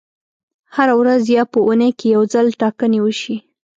هره ورځ یا په اونۍ کې یو ځل ټاکنې وشي.